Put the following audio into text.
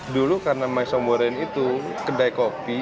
dulu karena maesong boereen itu kedai kopi